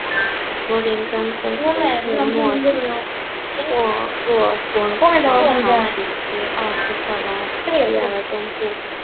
图林根公国是墨洛温王朝时期奥斯特拉西亚的东部边境领。